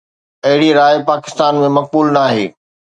اهڙي راءِ پاڪستان ۾ مقبول ناهي.